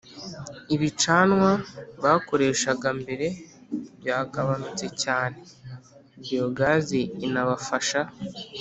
ibicanwa bakoreshaga mbere byagabanutse cyane. Biyogazi inabafasha